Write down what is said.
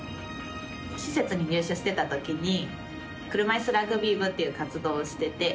施設に入所してたときに車いすラグビー部っていう活動をしてて。